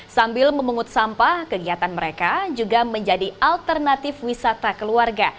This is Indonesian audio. sambil memungut sampah kegiatan mereka juga menjadi alternatif wisata keluarga